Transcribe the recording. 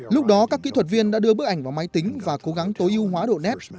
lúc đó các kỹ thuật viên đã đưa bức ảnh vào máy tính và cố gắng tối ưu hóa độ net